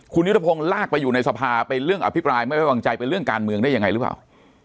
คุณยุทธพงศ์ลากไปอยู่ในสภาไปเรื่องอภิปรายไม่ไว้วางใจไปเรื่องการเมืองได้ยังไงหรือเปล่า